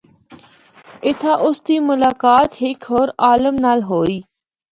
اِتھا اُس دی ملاقات ہک ہور عالم نال ہوئی۔